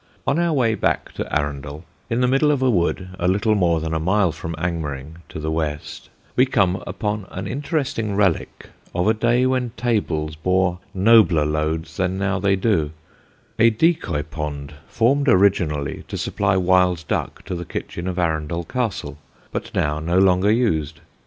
On our way back to Arundel, in the middle of a wood, a little more than a mile from Angmering, to the west, we come upon an interesting relic of a day when tables bore nobler loads than now they do: a decoy pond formed originally to supply wild duck to the kitchen of Arundel Castle, but now no longer used.